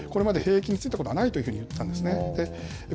これまで兵役に就いたことはないと言ったんですね。